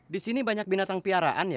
disini banyak binatang piaraan ya